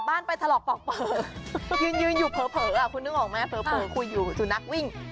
ไม่ได้ลากจูงสุนัก